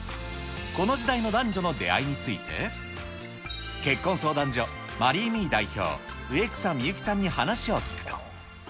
この時代の男女の出会いについて、結婚相談所マリーミー代表、植草美幸さんに話を聞くと。